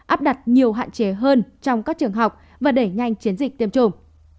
áp đặt nhiều hạn chế hơn trong các trường học và đẩy nhanh chiến dịch tiêm chủng